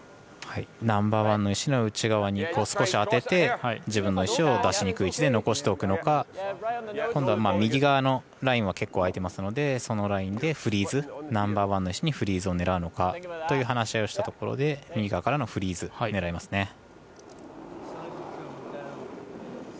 ナンバーワンの石の内側に当てて自分の石を出しにくい位置で残しておくのか今度は右側のラインは結構、開いていますのでそのラインでナンバーワンの石にフリーズを狙うのかという話し合いをしたところで右側からのフリーズ狙いますね。